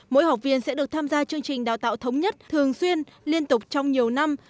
mỗi học viên sẽ được tham gia chương trình đào tạo thống nhất thường xuyên liên tục trong nhiều năm